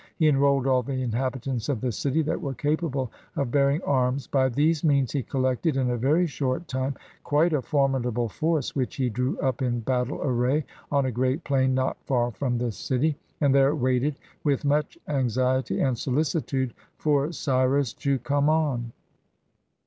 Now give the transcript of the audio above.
He enrolled all the inhabitants of the city that were capable of bearing arms. By these means he collected, in a very short time, quite a for midable force, which he drew up, in battle array, on a great plain not far from the city, and there waited, with much anxiety and solicitude, for Cyrus to come on.